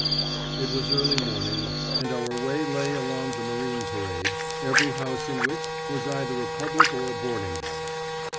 It was early morning, and our way lay along the Marine Parade, every house in which was either a public or a boarding house.